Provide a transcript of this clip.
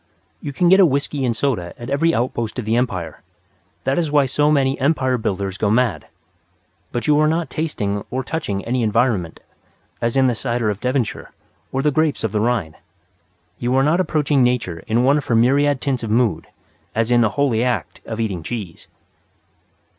You can get a whisky and soda at every outpost of the Empire: that is why so many Empire builders go mad. But you are not tasting or touching any environment, as in the cider of Devonshire or the grapes of the Rhine. You are not approaching Nature in one of her myriad tints of mood, as in the holy act of eating cheese.